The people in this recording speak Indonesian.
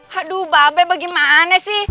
haduh mbak be bagaimana sih